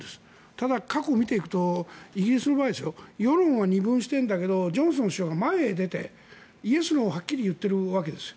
ただ、過去を見ていくとイギリスの場合世論は二分してるんだけどジョンソン首相が前に出てイエス、ノーをはっきり言っているわけですよ。